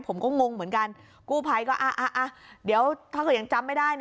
ผมก็งงเหมือนกันกู้ภัยก็เดี๋ยวถ้าเกิดยังจำไม่ได้